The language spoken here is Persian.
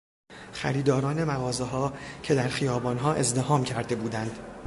خریداران مغازهها که در خیابانها ازدحام کرده بودند